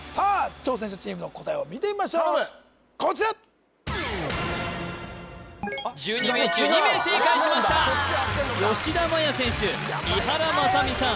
挑戦者チームの答えを見てみましょうこちら１２名中２名正解しました吉田麻也選手井原正巳さん